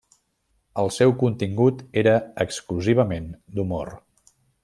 El seu contingut era exclusivament d’humor.